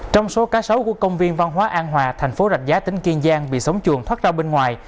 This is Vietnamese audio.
trong số cá sấu của công viên văn hóa an hòa thành phố rạch giá tỉnh kiên giang bị sống chuồng thoát ra bên ngoài